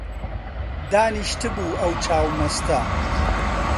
دانیشتبوو ئەو چاو مەستە